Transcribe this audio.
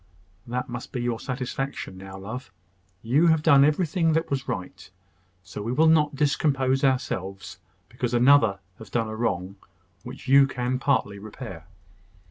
"That must be your satisfaction now, love. You have done everything that was right; so we will not discompose ourselves because another has done a wrong which you can partly repair."